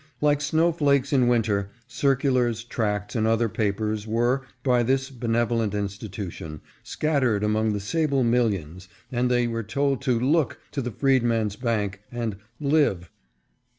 Like snow flakes in winter, circulars, tracts and other papers were, by this benevolent institution, scattered among the sable millions, and they were told to " look" to the Freedman's Bank and " live."